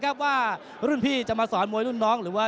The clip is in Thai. กลัวไม่กลัวใจพี่ข่มใจน้องหรือเปล่า